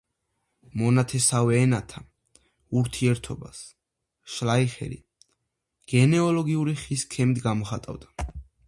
მონათესავე ენათა ურთიერთობას შლაიხერი გენეალოგიური ხის სქემით გამოხატავდა.